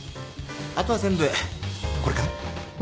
あとは全部これから？